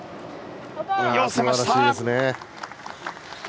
すばらしいですね。